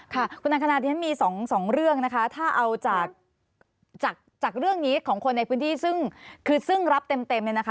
ค่ะคุณนางขนาดนี้มี๒เรื่องนะคะถ้าเอาจากเรื่องนี้ของคนในพื้นที่ซึ่งรับเต็มเลยนะคะ